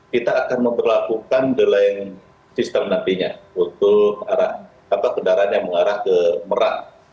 kita akan memperlakukan delaying sistem nantinya untuk arah apa kendaraan yang mengarah ke merak